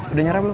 udah nyara belum